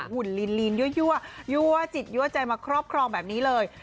หุ่นลีนยั่วยั่วจิตยั่วใจมาครอบครองแบบนี้เลย